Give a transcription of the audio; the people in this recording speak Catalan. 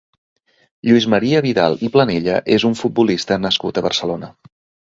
Lluís Maria Vidal i Planella és un futbolista nascut a Barcelona.